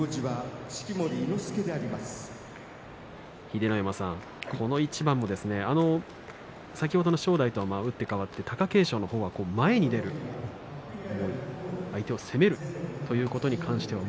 秀ノ山さん、この一番も先ほどの正代とは打って変わって貴景勝の方は前に出る相手を攻めるということに関しては